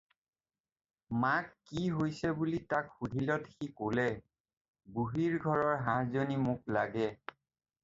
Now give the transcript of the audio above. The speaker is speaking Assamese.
"মাক কি হৈছে বুলি তাক সুধিলত সি ক'লে- "বুঢ়ীৰ ঘৰৰ হাঁহজনী মোক লাগে।"